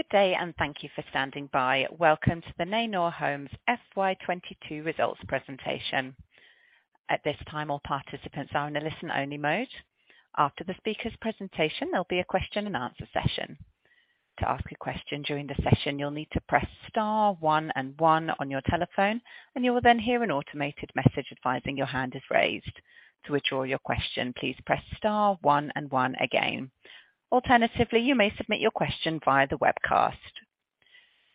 Good day and thank you for standing by. Welcome to Neinor Homes FY 2022 results presentation. At this time, all participants are in a listen-only mode. After the speaker's presentation, there'll be a Q&A session. To ask a question during the session, you'll need to press star one and one on your telephone, and you will then hear an automated message advising your hand is raised. To withdraw your question, please press star one and one again. Alternatively, you may submit your question via the webcast.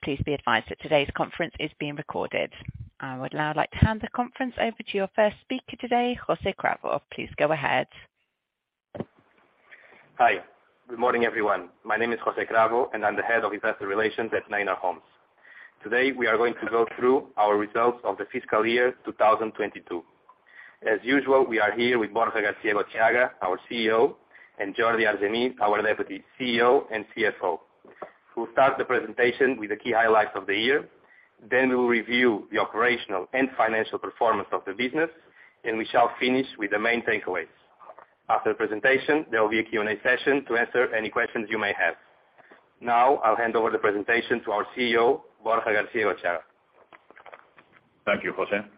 Please be advised that today's conference is being recorded. I would now like to hand the conference over to your first speaker today, José Cravo. Please go ahead. Hi. Good morning, everyone. My name is José Cravo, and I'm the head of investor relations Neinor Homes. Today, we are going to go through our results of the fiscal year 2022. As usual, we are here with Borja García-Egotxeaga, our CEO, Jordi Argemí, our Deputy CEO and CFO, who'll start the presentation with the key highlights of the year. We will review the operational and financial performance of the business, and we shall finish with the main takeaways. After the presentation, there will be a Q&A session to answer any questions you may have. Now, I'll hand over the presentation to our CEO, Borja García-Egotxeaga. Thank you, José Cravo.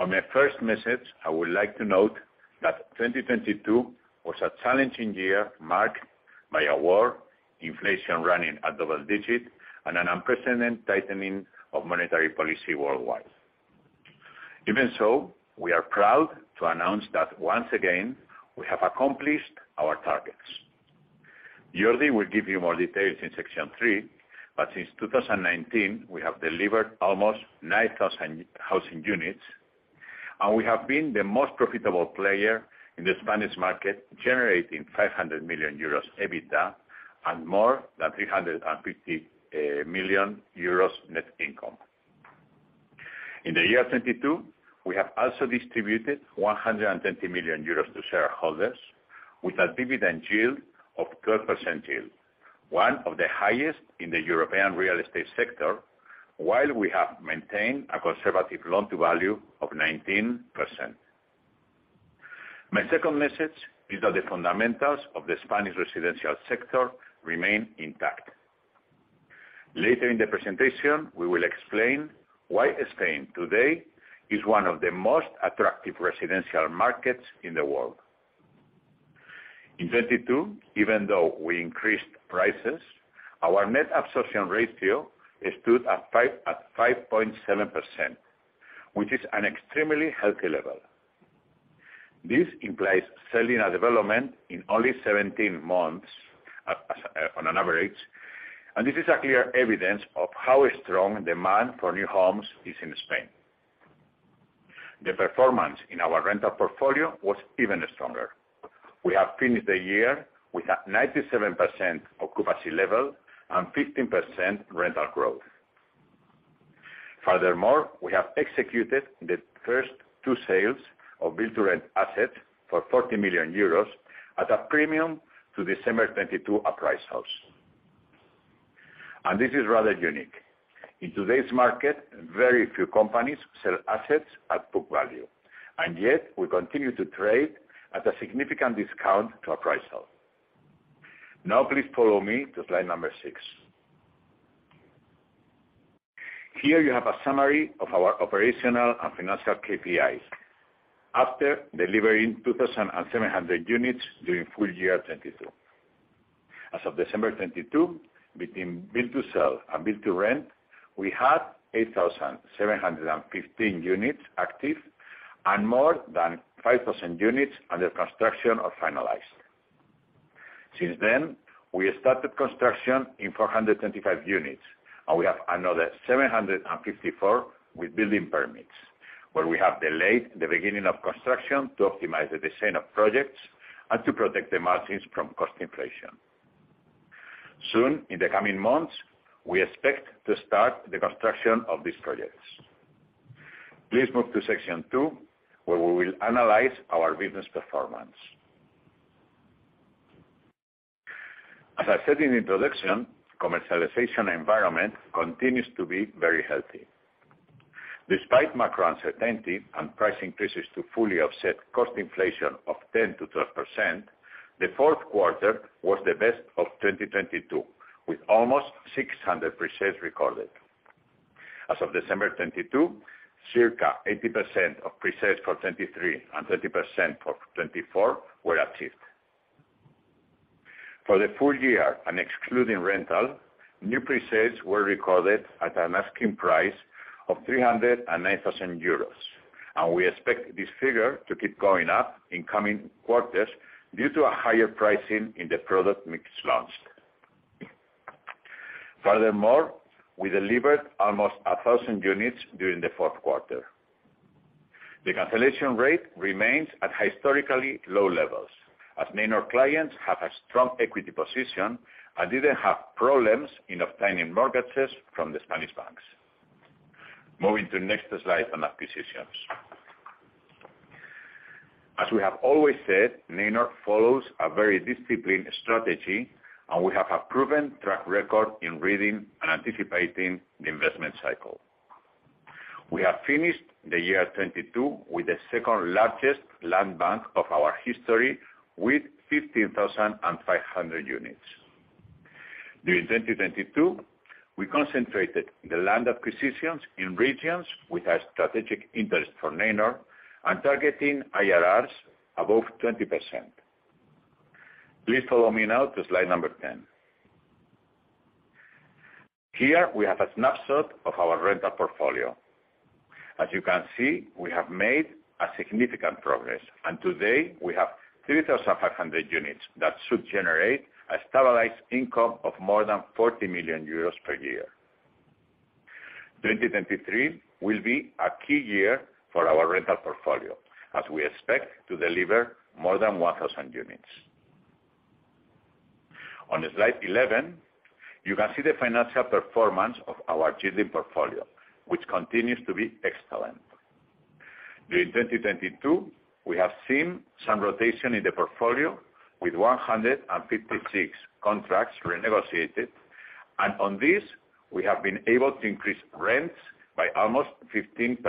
On my first message, I would like to note that 2022 was a challenging year marked by a war, inflation running at double-digit, and an unprecedented tightening of monetary policy worldwide. Even so, we are proud to announce that once again, we have accomplished our targets. Jordi Argemí will give you more details in section three. Since 2019, we have delivered almost 9,000 housing units, and we have been the most profitable player in the Spanish market, generating 500 million euros EBITDA and more than 350 million euros net income. In the year 2022, we have also distributed 120 million euros to shareholders with a dividend yield of 12% yield, one of the highest in the European real estate sector, while we have maintained a conservative loan-to-value of 19%. My second message is that the fundamentals of the Spanish residential sector remain intact. Later in the presentation, we will explain why Spain today is one of the most attractive residential markets in the world. In 2022, even though we increased prices, our net absorption ratio stood at 5.7%, which is an extremely healthy level. This implies selling a development in only 17 months as on average. This is a clear evidence of how strong demand for new homes is in Spain. The performance in our rental portfolio was even stronger. We have finished the year with a 97% occupancy level and 15% rental growth. Furthermore, we have executed the first two sales of Build-to-Rent asset for 40 million euros at a premium to December 2022 appraisal. This is rather unique. In today's market, very few companies sell assets at book value, yet we continue to trade at a significant discount to appraisal. Please follow me to slide number six. Here you have a summary of our operational and financial KPIs after delivering 2,700 units during full year 2022. As of December 2022, between Build to Sell and Build to Rent, we had 8,715 units active and more than 5,000 units under construction or finalized. We started construction in 425 units, and we have another 754 with building permits, where we have delayed the beginning of construction to optimize the design of projects and to protect the margins from cost inflation. Soon, in the coming months, we expect to start the construction of these projects. Please move to section two, where we will analyze our business performance. As I said in introduction, commercialization environment continues to be very healthy. Despite macro uncertainty and price increases to fully offset cost inflation of 10%-12%, the Q4 was the best of 2022, with almost 600 pre-sales recorded. As of December 2022, circa 80% of pre-sales for 2023 and 30% for 2024 were achieved. For the full year and excluding rental, new pre-sales were recorded at an asking price of 309,000 euros. We expect this figure to keep going up in coming quarters due to a higher pricing in the product mix launched. Furthermore, we delivered almost 1,000 units during the Q4. The cancellation rate remains at historically low levels, as Neinor Homes clients have a strong equity position and didn't have problems in obtaining mortgages from the Spanish banks. Moving to the next slide on acquisitions. We have always said, Neinor Homes follows a very disciplined strategy, and we have a proven track record in reading and anticipating the investment cycle. We have finished the year 2022 with the second-largest land bank of our history with 15,500 units. During 2022, we concentrated the land acquisitions in regions with a strategic interest for Neinor Homes and targeting IRRs above 20%. Please follow me now to slide number 10. Here, we have a snapshot of our rental portfolio. As you can see, we have made a significant progress. Today, we have 3,500 units that should generate a stabilized income of more than 40 million euros per year. 2023 will be a key year for our rental portfolio, as we expect to deliver more than 1,000 units. On slide 11, you can see the financial performance of our yielding portfolio, which continues to be excellent. During 2022, we have seen some rotation in the portfolio with 156 contracts renegotiated. On this, we have been able to increase rents by almost 15%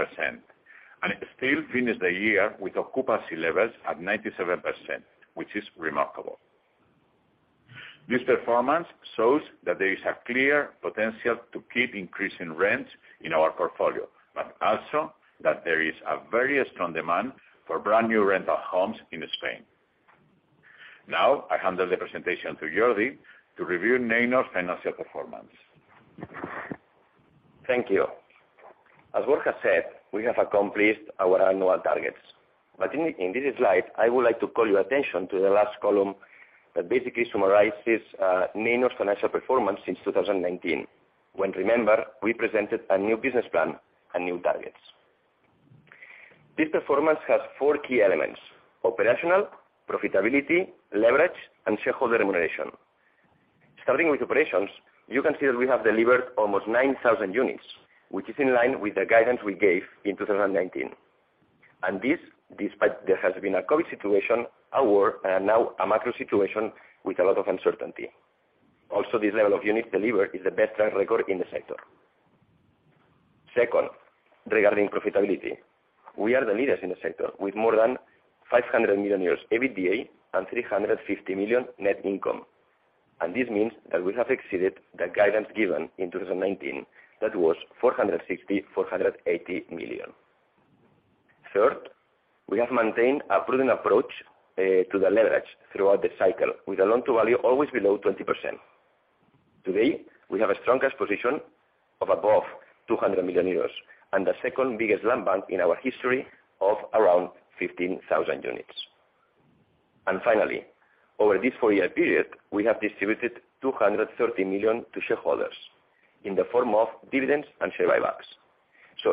and still finish the year with occupancy levels at 97%, which is remarkable. This performance shows that there is a clear potential to keep increasing rents in our portfolio. Also that there is a very strong demand for brand-new rental homes in Spain. I hand over the presentation to Jordi Argemí to review Neinor Homes's financial performance. Thank you. As Borja García-Egotxeaga said, we have accomplished our annual targets. In this slide, I would like to call your attention to the last column that basically summarizes Neinor Homes's financial performance since 2019, when remember, we presented a new business plan and new targets. This performance has four key elements: operational, profitability, leverage, and shareholder remuneration. Starting with operations, you can see that we have delivered almost 9,000 units, which is in line with the guidance we gave in 2019. This, despite there has been a COVID situation, a war, and now a macro situation with a lot of uncertainty. Also, this level of units delivered is the best track record in the sector. Second, regarding profitability. We are the leaders in the sector with more than 500 million euros EBITDA and 350 million net income. This means that we have exceeded the guidance given in 2019, that was 460 million-480 million. Third, we have maintained a prudent approach to the leverage throughout the cycle with the loan-to-value always below 20%. Today, we have a strong cash position of above 200 million euros and the second biggest land bank in our history of around 15,000 units. Finally, over this four year period, we have distributed 230 million to shareholders in the form of dividends and share buybacks.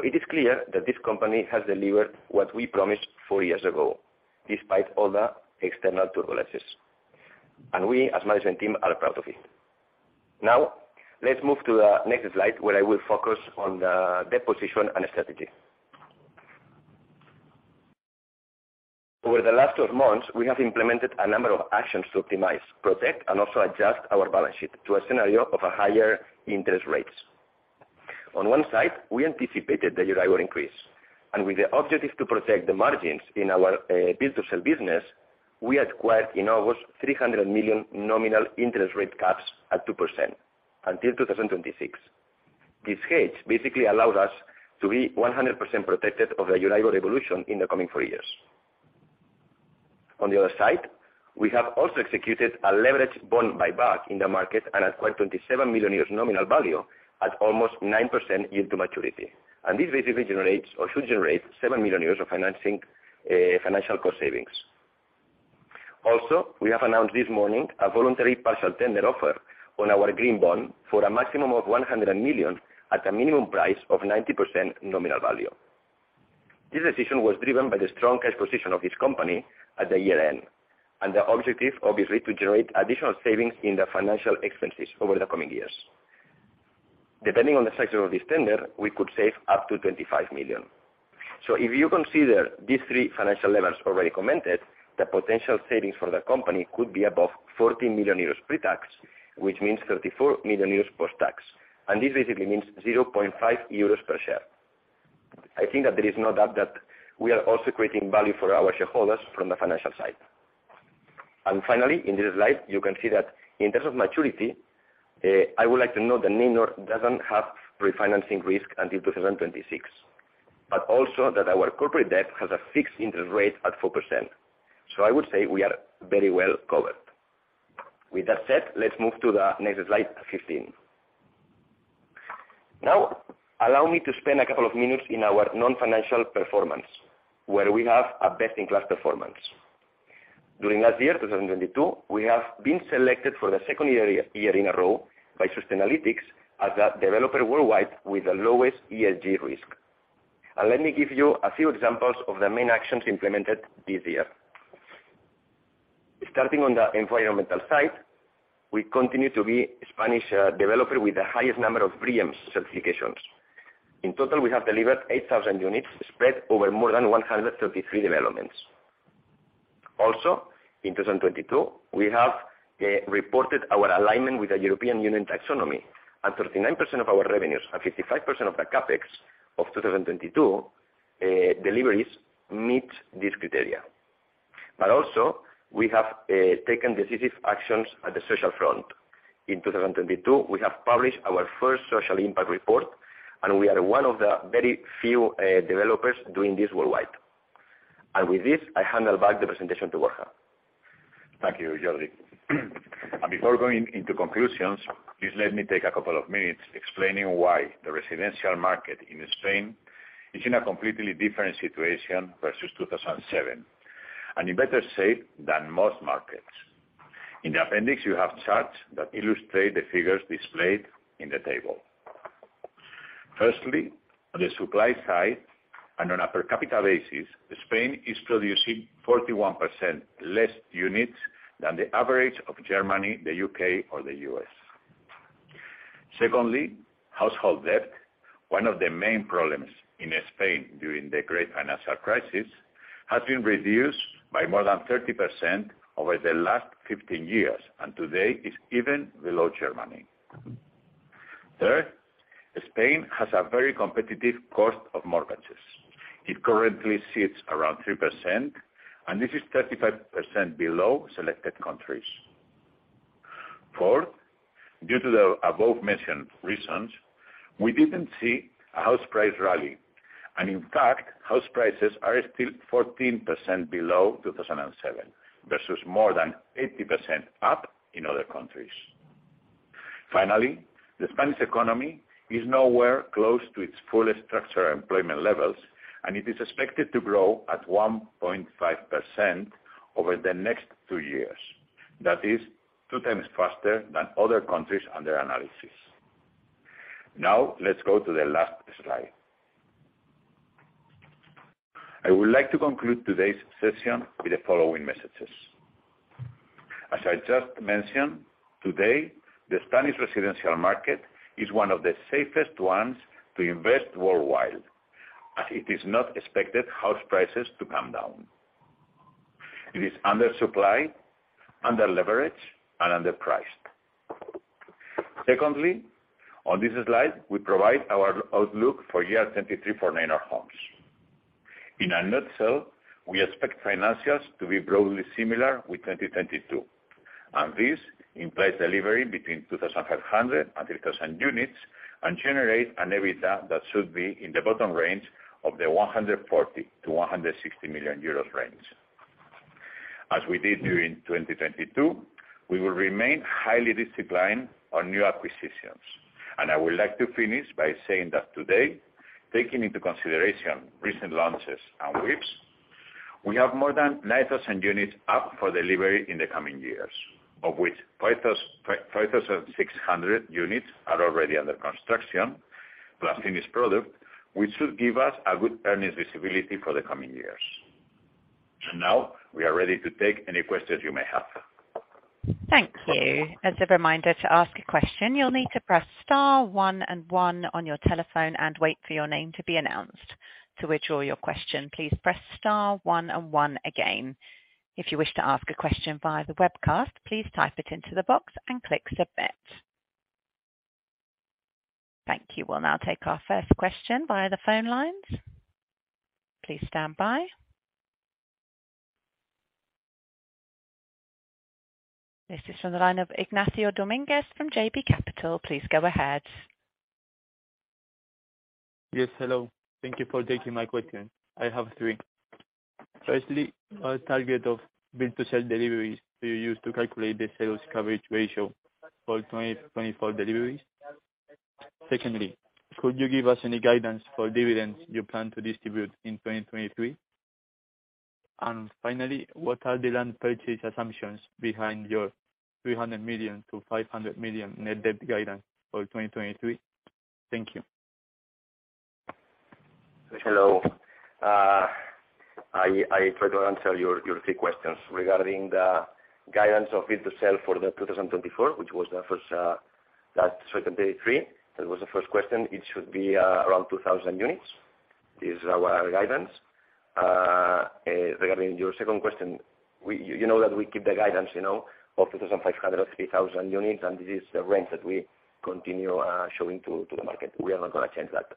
It is clear that this company has delivered what we promised four years ago, despite all the external turbulences, and we, as management team, are proud of it. Let's move to the next slide, where I will focus on the debt position and strategy. Over the last 12 months, we have implemented a number of actions to optimize, protect, and also adjust our balance sheet to a scenario of a higher interest rates. One side, we anticipated the Euribor increase, and with the objective to protect the margins in our Build to Sell business, we acquired in August 300 million nominal interest rate caps at 2% until 2026. This hedge basically allowed us to be 100% protected of the Euribor evolution in the coming four years. The other side, we have also executed a leveraged bond buyback in the market and acquired 27 million euros nominal value at almost 9% yield to maturity. This basically generates or should generate 7 million euros of financing, financial cost savings. We have announced this morning a voluntary partial tender offer on our green bond for a maximum of 100 million at a minimum price of 90% nominal value. This decision was driven by the strong cash position of this company at the year-end, and the objective, obviously, to generate additional savings in the financial expenses over the coming years. Depending on the size of this tender, we could save up to 25 million. If you consider these three financial levers already commented, the potential savings for the company could be above 40 million euros pre-tax, which means 34 million euros post-tax. This basically means 0.5 euros per share. I think that there is no doubt that we are also creating value for our shareholders from the financial side. Finally, in this slide, you can see that in terms of maturity, I would like to note that Neinor Homes doesn't have refinancing risk until 2026, but also that our corporate debt has a fixed interest rate at 4%. I would say we are very well covered. With that said, let's move to the next slide, 15. Now, allow me to spend a couple of minutes in our non-financial performance, where we have a best-in-class performance. During last year, 2022, we have been selected for the second year in a row by Sustainalytics as a developer worldwide with the lowest ESG risk. Let me give you a few examples of the main actions implemented this year. Starting on the environmental side, we continue to be Spanish developer with the highest number of BREEAM certifications. In total, we have delivered 8,000 units spread over more than 133 developments. In 2022, we have reported our alignment with the European Union Taxonomy and 39% of our revenues and 55% of the CapEx of 2022 deliveries meet this criteria. Also we have taken decisive actions at the social front. In 2022, we have published our first social impact report, and we are one of the very few developers doing this worldwide. With this, I hand back the presentation to Borja García-Egotxeaga. Thank Jordi Argemí. Before going into conclusions, please let me take a couple of minutes explaining why the residential market in Spain is in a completely different situation versus 2007 and in better shape than most markets. In the appendix, you have charts that illustrate the figures displayed in the table. Firstly, on the supply side and on a per capita basis, Spain is producing 41% less units than the average of Germany, the UK or the US. Secondly, household debt, one of the main problems in Spain during the great financial crisis, has been reduced by more than 30% over the last 15 years, and today is even below Germany. Third, Spain has a very competitive cost of mortgages. It currently sits around 3%, and this is 35% below selected countries. Fourth, due to the above mentioned reasons, we didn't see a house price rally, and in fact, house prices are still 14% below 2007, versus more than 80% up in other countries. Finally, the Spanish economy is nowhere close to its fullest structural employment levels, and it is expected to grow at 1.5% over the next two years. That is two times faster than other countries under analysis. Now let's go to the last slide. I would like to conclude today's session with the following messages. As I just mentioned, today, the Spanish residential market is one of the safest ones to invest worldwide as it is not expected house prices to come down. It is under supplied, under leveraged, and underpriced. Secondly, on this slide, we provide our outlook for year 2023 for Neinor Homes. In a nutshell, we expect financials to be broadly similar with 2022. This implies delivery between 2,500 and 3,000 units, and generate an EBITDA that should be in the bottom range of the 140 million-160 million euros range. As we did during 2022, we will remain highly disciplined on new acquisitions. I would like to finish by saying that today, taking into consideration recent launches and WIPs, we have more than 9,000 units up for delivery in the coming years, of which 5,600 units are already under construction plus finished product, which should give us a good earnings visibility for the coming years. Now we are ready to take any questions you may have. Thank you. As a reminder, to ask a question, you will need to press star one and one on your telephone and wait for your name to be announced. To withdraw your question, please press star one and one again. If you wish to ask a question via the webcast, please type it into the box and click Submit. Thank you. We will now take our first question via the phone lines. Please stand by. This is from the line of Ignacio Domínguez from JB Capital Markets. Please go ahead. Yes, hello. Thank you for taking my question. I have three. Firstly, what target of Build to Sell deliveries do you use to calculate the sales coverage ratio for 2024 deliveries? Secondly, could you give us any guidance for dividends you plan to distribute in 2023? Finally, what are the land purchase assumptions behind your 300 million-500 million net debt guidance for 2023? Thank you. Hello. I try to answer your three questions. Regarding the guidance of Build to Sell for the 2024, which was the first, last sort of day three. That was the first question. It should be around 2,000 units is our guidance. Regarding your second question, you know that we keep the guidance, you know, of 2,500, 3,000 units, and this is the range that we continue showing to the market. We are not gonna change that.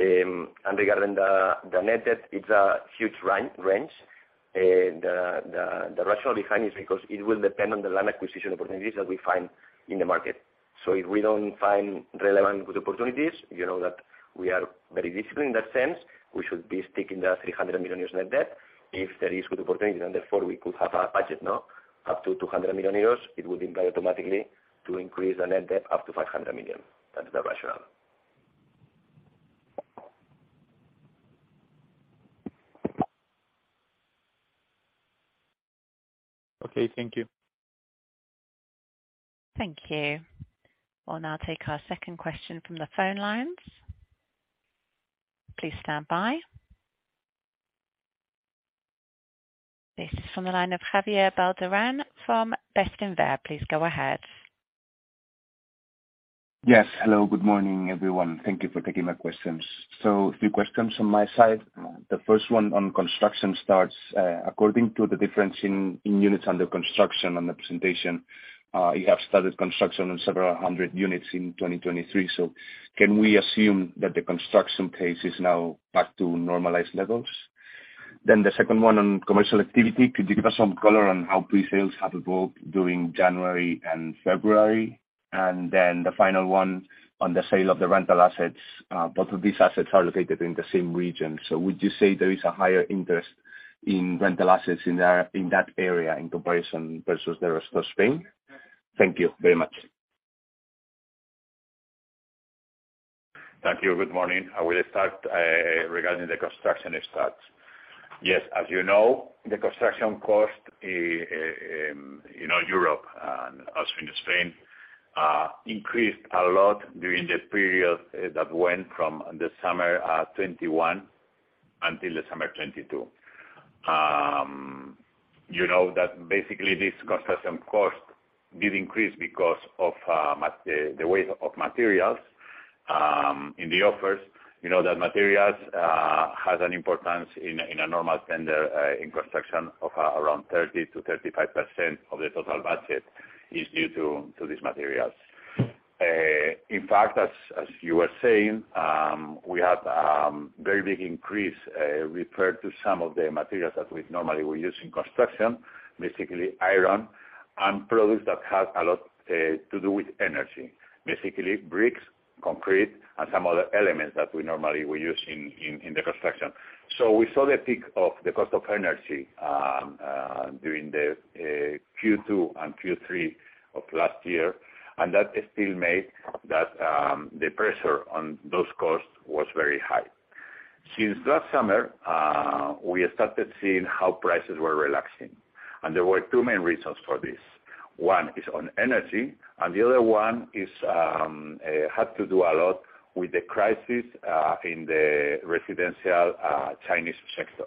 Regarding the net debt, it's a huge range, the rationale behind is because it will depend on the land acquisition opportunities that we find in the market. If we don't find relevant good opportunities, you know that we are very disciplined in that sense. We should be sticking the 300 million euros net debt. If there is good opportunity, therefore we could have a budget, no, up to 200 million euros. It would imply automatically to increase the net debt up to 500 million. That's the rationale. Okay. Thank you. Thank you. We'll now take our second question from the phone lines. Please stand by. This is from the line of Javier Beldarrain from Bestinver. Please go ahead. Yes. Hello, good morning, everyone. Thank you for taking my questions. Few questions on my side. The first one on construction starts, according to the difference in units under construction and the presentation, you have started construction on several hundred units in 2023. Can we assume that the construction pace is now back to normalized levels? The second one on commercial activity. Could you give us some color on how pre-sales have evolved during January and February? The final one on the sale of the rental assets, both of these assets are located in the same region. Would you say there is a higher interest in rental assets in there, in that area in comparison versus the rest of Spain? Thank you very much. Thank you. Good morning. I will start regarding the construction starts. Yes, as you know, the construction cost in, you know, Europe, and also in Spain, increased a lot during the period that went from the summer 2021 until the summer 2022. You know that basically this construction cost did increase because of the weight of materials in the offers. You know that materials has an importance in a normal tender in construction of around 30%-35% of the total budget is due to these materials. In fact, as you were saying, we had a very big increase referred to some of the materials that we normally use in construction, basically iron and products that have a lot to do with energy, basically bricks, concrete and some other elements that we normally use in the construction. We saw the peak of the cost of energy during the Q2 and Q3 of last year. That still made that the pressure on those costs was very high. Since last summer, we started seeing how prices were relaxing. There were two main reasons for this. One is on energy, and the other one is had to do a lot with the crisis in the residential Chinese sector.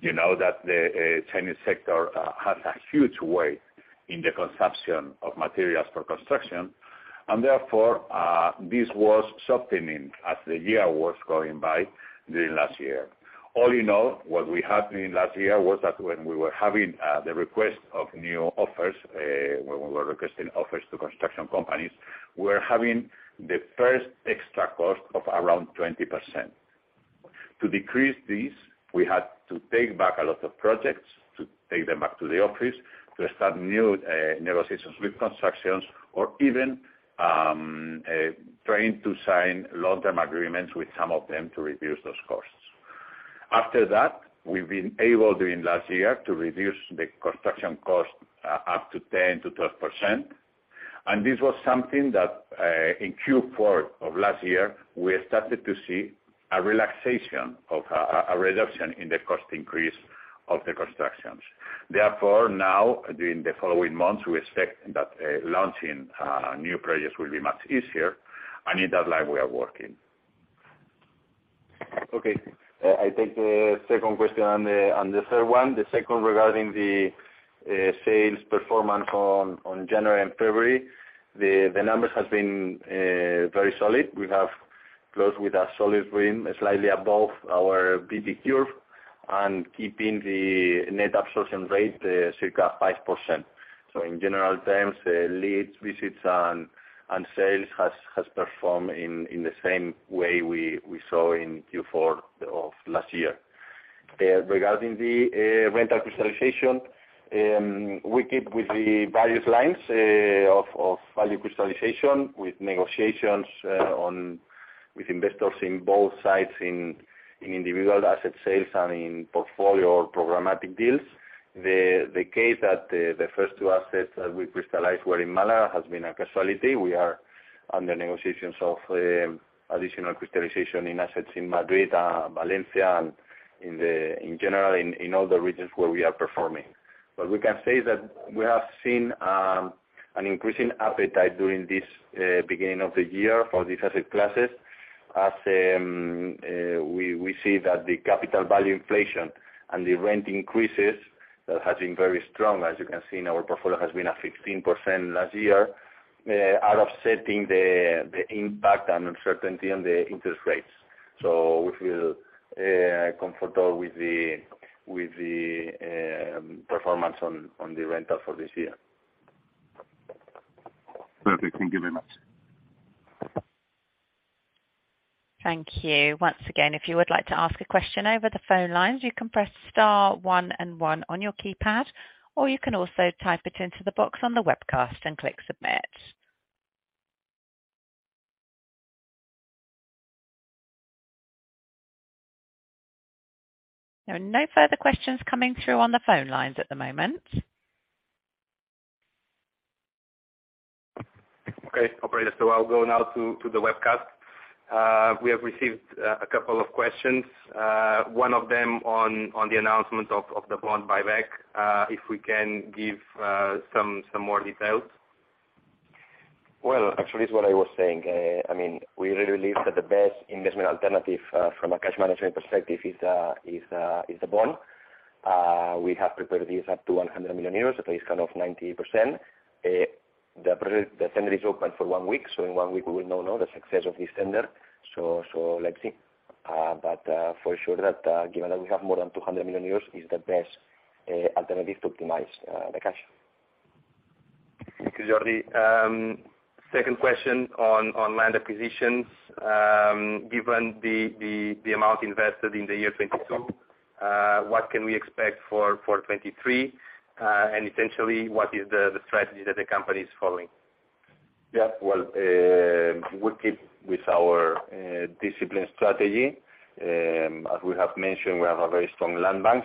You know that the Chinese sector has a huge weight in the consumption of materials for construction, therefore, this was softening as the year was going by during last year. All in all, what we had during last year was that when we were having the request of new offers, when we were requesting offers to construction companies, we were having the first extra cost of around 20%. To decrease this, we had to take back a lot of projects, to take them back to the office, to start new negotiations with constructions or even trying to sign long-term agreements with some of them to reduce those costs. After that, we've been able during last year to reduce the construction cost up to 10%-12%. This was something that, in Q4 of last year, we started to see a relaxation of, a reduction in the cost increase of the constructions. Now during the following months, we expect that launching new projects will be much easier, and in that line we are working. Okay. I take the second question and the third one. The second regarding the sales performance on January and February. The numbers has been very solid. We have closed with a solid win, slightly above our BP curve and keeping the net absorption rate, circa 5%. In general terms, leads, visits and sales has performed in the same way we saw in Q4 of last year. Regarding the rental crystallization, we keep with the various lines of value crystallization with negotiations on with investors in both sides, in individual asset sales and in portfolio programmatic deals. The case that the first two assets that we crystallized were in Malaga has been a causality. We are under negotiations of additional crystallization in assets in Madrid, Valencia and in general in all the regions where we are performing. We can say that we have seen an increasing appetite during this beginning of the year for these asset classes as we see that the capital value inflation and the rent increases that has been very strong, as you can see in our portfolio, has been at 15% last year, are offsetting the impact and uncertainty on the interest rates. We feel comfortable with the performance on the rental for this year. Perfect. Thank you very much. Thank you. Once again, if you would like to ask a question over the phone lines, you can press star one and one on your keypad, or you can also type it into the box on the webcast and click Submit. There are no further questions coming through on the phone lines at the moment. Okay. Operator, I'll go now to the webcast. We have received a couple of questions. One of them on the announcement of the bond buyback, if we can give some more details. Well, actually it's what I was saying. I mean, we really believe that the best investment alternative from a cash management perspective is the bond. We have prepared this up to 100 million euros, that is kind of 90%. The project, the tender is open for one week, so in one week we will now know the success of this tender. Let's see. For sure that, given that we have more than 200 million euros, it's the best alternative to optimize the cash. Thank you, Jordi Argemí. Second question on land acquisitions. Given the amount invested in the year 2022, what can we expect for 2023? Essentially, what is the strategy that the company is following? Yeah. Well, we keep with our discipline strategy. As we have mentioned, we have a very strong land bank.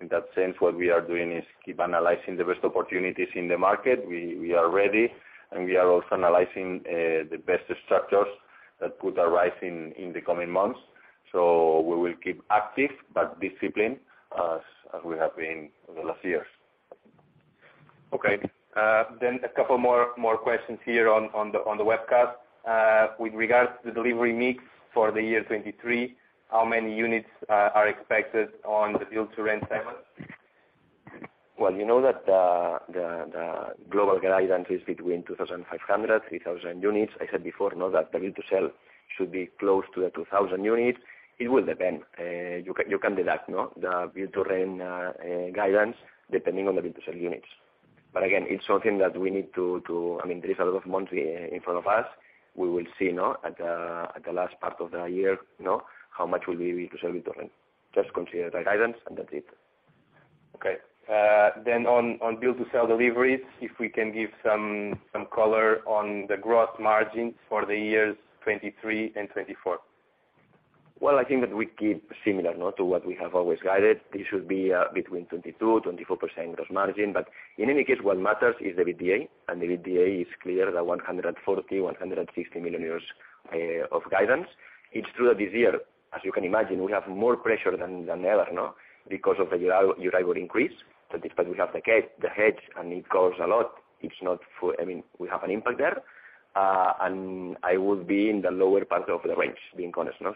In that sense, what we are doing is keep analyzing the best opportunities in the market. We are ready, and we are also analyzing the best structures that could arise in the coming months. We will keep active, but disciplined as we have been over the last years. Okay. A couple more questions here on the webcast. With regards to the delivery mix for the year 2023, how many units are expected on the Build to Rent segment? Well, you know that the global guidance is between 2,500-3,000 units. I said before, know that the Build to Sell should be close to the 2,000 units. It will depend. You can deduct, no, the Build to Rent guidance depending on the Build to Sell units. Again, it's something that we need to. I mean, there is a lot of months in front of us. We will see, no, at the last part of the year, no, how much will be Build to Sell, Build to Rent. Just consider the guidance and that's it. On Build to Sell deliveries, if we can give some color on the gross margins for the years 2023 and 2024? Well, I think that we keep similar, no, to what we have always guided. This should be between 22%-24% gross margin. In any case, what matters is the EBITDA, and the EBITDA is clear, the 140 million-160 million euros of guidance. It's true that this year, as you can imagine, we have more pressure than ever, no, because of the EUR increase. Despite we have the hedge and it covers a lot, I mean, we have an impact there. I would be in the lower part of the range, being cautious now.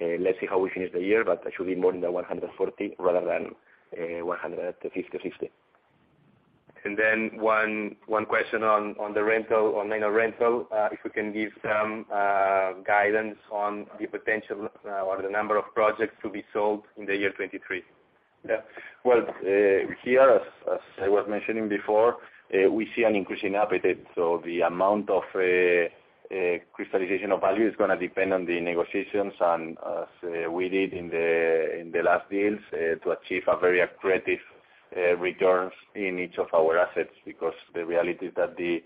Let's see how we finish the year, but it should be more than the 140 rather than 150, 160. One question on the rental, on Neinor Homes Rental, if you can give some guidance on the potential or the number of projects to be sold in the year 2023? Yeah. Well, here, as I was mentioning before, we see an increasing appetite. The amount of crystallization of value is gonna depend on the negotiations and as we did in the, in the last deals, to achieve a very accretive returns in each of our assets. The reality is that the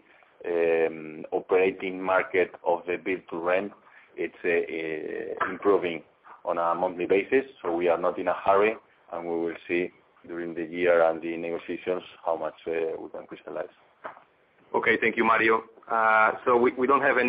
operating market of the Build to Rent, it's improving on a monthly basis, so we are not in a hurry, and we will see during the year and the negotiations how much we can crystallize. Okay. Thank you, Jordi Argemí. we don't have any